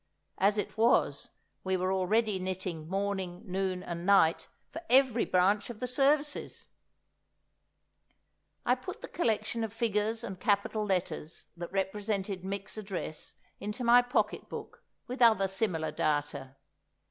As it was, we were already knitting morning, noon, and night, for every branch of the Services! I put the collection of figures and capital letters that represented Mick's address, into my pocket book with other similar data.